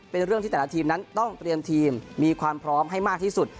เป็นเรื่องที่แต่ละทีมนั้นต้องเตรียมทีมมีความพร้อมให้มากที่สุด